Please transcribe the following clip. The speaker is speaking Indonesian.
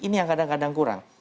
ini yang kadang kadang kurang